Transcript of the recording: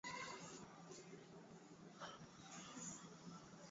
Hakuna matibabu ya ugonjwa wa mapele ya ngozi kwa ngombe